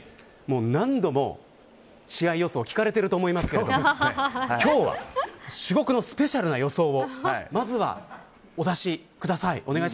何度も試合予想聞かれてると思いますけど今日は至極のスペシャルな予想をまずは、お出しください。